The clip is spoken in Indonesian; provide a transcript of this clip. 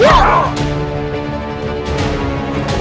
tidak ada yang bisa mengangkat itu